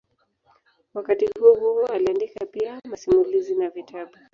Wakati huohuo aliandika pia masimulizi na vitabu.